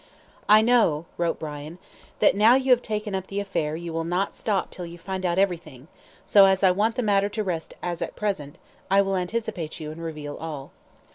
"I know," wrote Brian, "that now you have taken up the affair, you will not stop until you find out everything, so, as I want the matter to rest as at present, I will anticipate you, and reveal all.